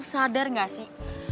lo sadar gak sih